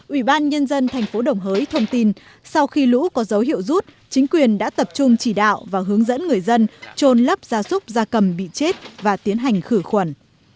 ủy ban nhân dân thành phố đồng hới thông tin sau khi lũ có dấu hiệu rút chính quyền đã tập trung chỉ đạo và hướng dẫn người dân trôn lấp gia súc gia cầm bị chết và tiến hành khử khuẩn